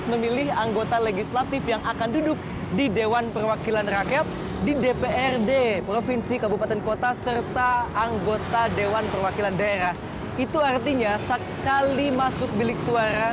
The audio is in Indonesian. pemilihan terhadap empat lima hal sekaligus